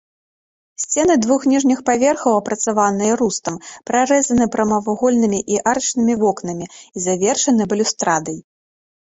Сцены двух ніжніх паверхаў, апрацаваныя рустам, прарэзаны прамавугольнымі і арачнымі вокнамі і завершаны балюстрадай.